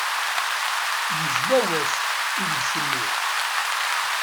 Yejla wass ideg cennuɣ.